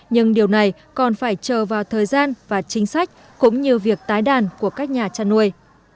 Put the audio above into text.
nhưng điều này còn phải chờ vào thời gian và chính sách cũng như việc tái đàn của các nhà chăn nuôi